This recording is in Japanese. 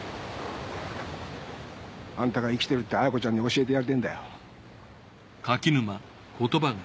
あんたが生きてるって絢子ちゃんに教えてやりてぇんだよ。